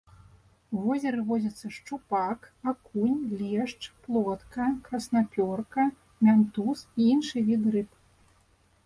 У возеры водзяцца шчупак, акунь, лешч, плотка, краснапёрка, мянтуз і іншыя віды рыб.